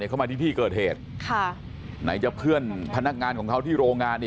เข้ามาที่ที่เกิดเหตุค่ะไหนจะเพื่อนพนักงานของเขาที่โรงงานอีก